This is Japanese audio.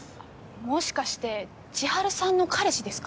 もしかして千晴さんの彼氏ですか？